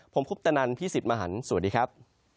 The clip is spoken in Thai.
ผมคุปตะนันพี่สิทธิ์มหันฯสวัสดีครับ